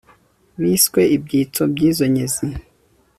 biswe ibyitso by'izo nyezi